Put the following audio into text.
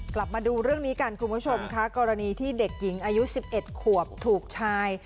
มาดูเรื่องนี้กันคุณผู้ชมค่ะกรณีที่เด็กหญิงอายุ๑๑ขวบถูกชาย